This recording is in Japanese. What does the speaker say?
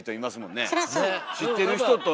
知ってる人と。